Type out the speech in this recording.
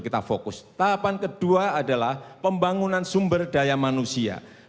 kita fokus tahapan kedua adalah pembangunan sumber daya manusia